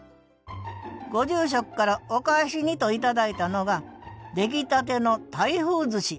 ご住職からお返しにと頂いたのが出来たての台風ずし